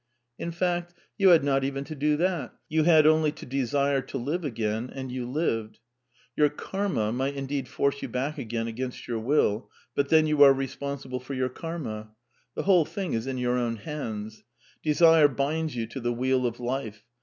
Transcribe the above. In f act, you had not even to do that You had only to desire to live again, and you lived. Your Karma might indeed force you back again against your will; but then you are responsible for your Karma. The whole thing is in your own hands. Desire binds you to the wheel of Life.